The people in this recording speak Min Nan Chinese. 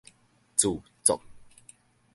自作